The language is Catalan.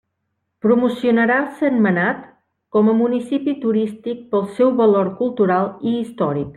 Promocionarà Sentmenat com a municipi turístic pel seu valor cultural i històric.